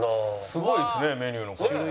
すごいですねメニュー。